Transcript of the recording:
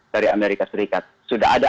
dari amerika serikat sudah ada